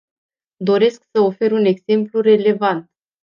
Doresc să ofer un exemplu relevant.